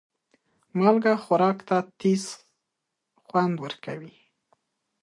مالګه خوراک ته تیز خوند ورکوي.